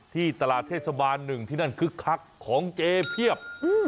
ที่ตลาดเทศบาล๑ที่นั่นคึกคักของเจเพียบ